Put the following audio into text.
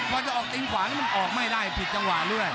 พอจะออกตีนขวานี่มันออกไม่ได้ผิดจังหวะด้วย